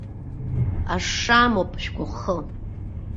Ашша амоуп шәгәахы!